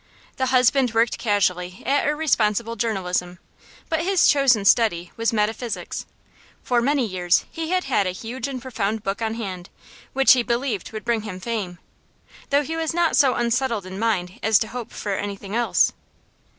The husband worked casually at irresponsible journalism, but his chosen study was metaphysics; for many years he had had a huge and profound book on hand, which he believed would bring him fame, though he was not so unsettled in mind as to hope for anything else.